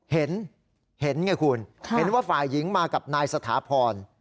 เห็นไงคุณเห็นว่าฝ่ายหญิงมากับนายสถาพร